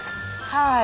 はい。